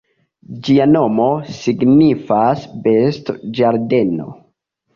Ĝia nomo signifas "bestoĝardeno".